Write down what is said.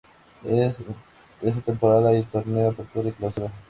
En esta temporada hay Torneo Apertura y Clausura.